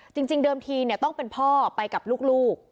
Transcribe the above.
จริงเดิมทีต้องเป็นพ่อไปกับลูก